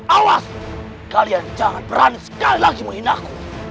awas kalian jangan berani sekali lagi menghina aku